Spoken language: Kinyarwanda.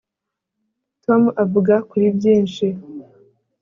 tom avuga kuri byinshi